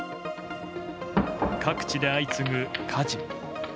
各地で相次ぐ火事。